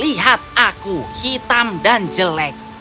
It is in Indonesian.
lihat aku hitam dan jelek